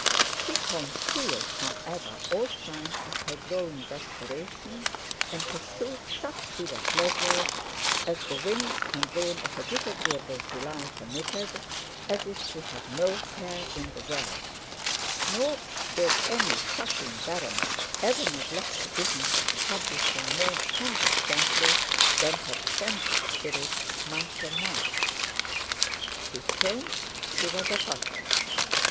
She concealed, however, all signs of her growing desperation, and pursued such river pleasures as the winds and rain of a disagreeable July permitted, as if she had no care in the world; nor did any "sucking baronet" ever neglect the business of a publisher more consistently than her attendant spirit, Michael Mont. To Soames she was a puzzle.